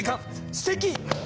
すてき！